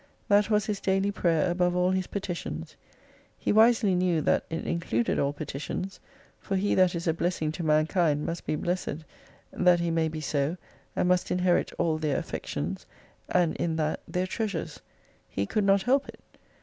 That was his daily prayer above all his petitions. He wisely knew that it included all petitions ; for he that is a blessing to man kind must be blessed, that he may be so, and must inherit all their affections, and in that their treasures. Ke could not help it.